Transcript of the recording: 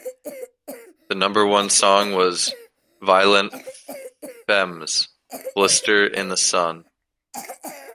The number one song was Violent Femmes' "Blister in the Sun".